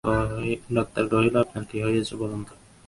Doctor জিজ্ঞাসা করিল, আপনার কী হইয়াছে বলুন তো।